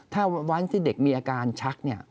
ถ้าวันที่เด็กมีอาการชัก